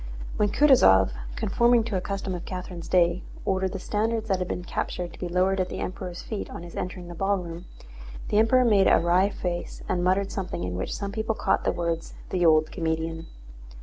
When Kutúzov, conforming to a custom of Catherine's day, ordered the standards that had been captured to be lowered at the Emperor's feet on his entering the ballroom, the Emperor made a wry face and muttered something in which some people caught the words, "the old comedian."